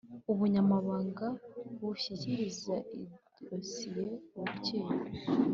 Ubunyamabanga bushyikiriza idosiye urukiko